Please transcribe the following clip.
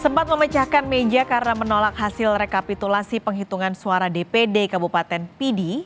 sempat memecahkan meja karena menolak hasil rekapitulasi penghitungan suara dpd kabupaten pidi